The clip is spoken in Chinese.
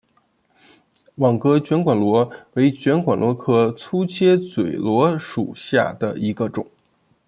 网格卷管螺为卷管螺科粗切嘴螺属下的一个种。